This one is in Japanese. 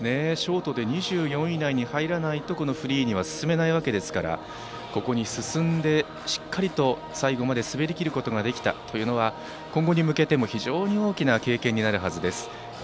ショートで２４位以内に入らないとフリーには進めないわけですからここに進んで最後までしっかり滑り切ることができたのは今後に向けても非常に大きな経験になるはずです。